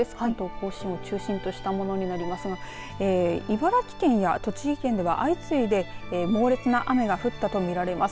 甲信を中心としたものになりますが茨城県や栃木県では相次いで猛烈な雨が降ったと見られます。